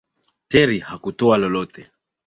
Terri hakutoa lolote